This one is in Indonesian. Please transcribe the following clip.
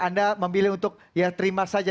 anda memilih untuk ya terima saja